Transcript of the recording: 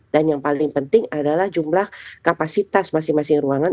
dan yang paling penting adalah jumlah kapasitas masing masing ruangan